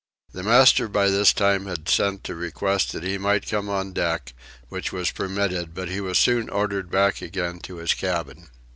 The master by this time had sent to request that he might come on deck, which was permitted but he was soon ordered back again to his cabin.